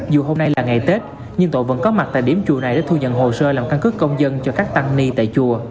dù hôm nay là ngày tết nhưng tổ vẫn có mặt tại điểm chùa này để thu nhận hồ sơ làm căn cứ công dân cho các tăng ni tại chùa